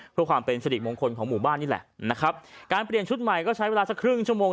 เพื่อความเป็นสิริมงคลของหมู่บ้านนี่แหละนะครับการเปลี่ยนชุดใหม่ก็ใช้เวลาสักครึ่งชั่วโมง